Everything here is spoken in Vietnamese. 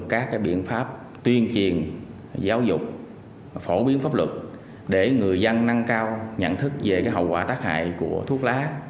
các biện pháp tuyên truyền giáo dục phổ biến pháp luật để người dân nâng cao nhận thức về hậu quả tác hại của thuốc lá